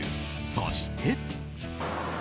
そして。